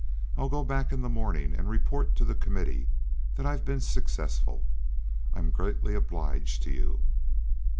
I'll go back in the morning and report to the committee that I've been successful. I am greatly obliged to you."